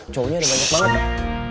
cowoknya ada banyak banget